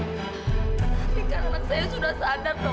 tapi karena saya sudah sadar loh